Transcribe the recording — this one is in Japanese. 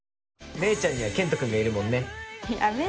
姉ちゃんには健人君がいるもんね。